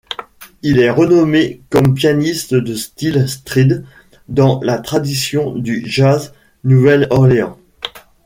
Il est renommé comme pianiste de style stride, dans la tradition du Jazz Nouvelle-Orléans.